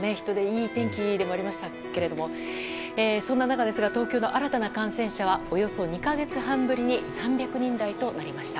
いい天気でもありましたがそんな中、東京の新たな感染者はおよそ２か月半ぶりに３００人台となりました。